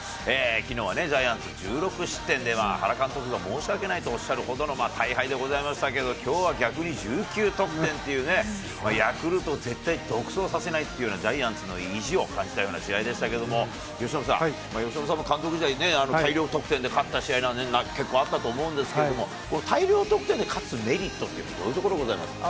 きのうはジャイアンツ、１６失点で、原監督が申し訳ないとおっしゃるほどの大敗でございましたけれども、きょうは逆に１９得点というね、ヤクルト、絶対、独走させないというようなジャイアンツの意地を感じたような試合でしたけれども、由伸さん、由伸さんも監督時代に大量得点で勝った試合なんて、結構あったと思うんですけれども、大量得点で勝つメリットってどういうところがございますか？